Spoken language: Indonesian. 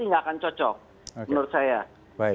tidak akan cocok menurut saya